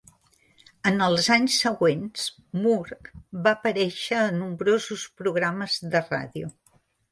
En els anys següents, Moore va aparèixer a nombrosos programes de ràdio.